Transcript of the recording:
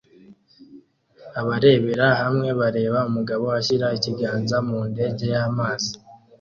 Abarebera hamwe bareba umugabo ashyira ikiganza mu ndege y'amazi